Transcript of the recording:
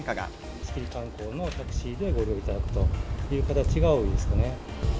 貸し切り観光のタクシーでご利用いただくという形が多いですね。